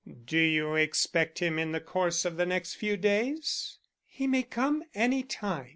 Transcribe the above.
"Do you expect him in the course of the next few days?" "He may come any time."